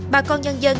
bà con nhân dân